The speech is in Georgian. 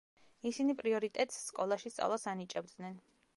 ისინი პრიორიტეტს სკოლაში სწავლას ანიჭებდნენ.